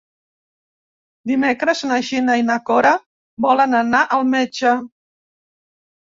Dimecres na Gina i na Cora volen anar al metge.